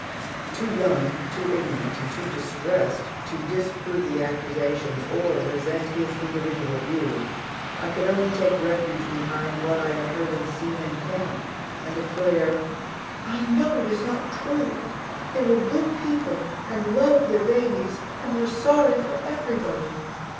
Too young, too ignorant, and too distressed to disprove the accusations or resent his individual view, I could only take refuge behind what I had heard and seen in camp, and declare, "I know it is not true; they were good people, and loved their babies, and were sorry for everybody."